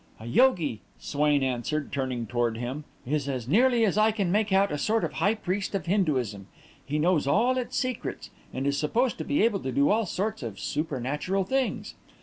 "A yogi," Swain answered, turning toward him, "is, as nearly as I can make out, a sort of high priest of Hinduism. He knows all its secrets, and is supposed to be able to do all sorts of supernatural things.